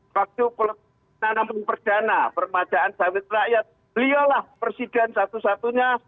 waktu penanaman perdana permajaan sawit rakyat belialah persidangan satu satunya